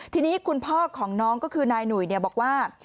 ทีนี้คุณพ่อของน้องก็คือนายหนุ่ยบอกว่า